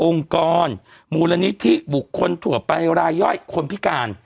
องค์กรมูลนิธิบุคคลถั่วปรายรายย่อยคนพิการ